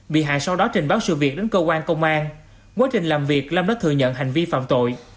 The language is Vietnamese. bị hại sau đó trình báo sự việc đến cơ quan công an quá trình làm việc lâm đã thừa nhận hành vi phạm tội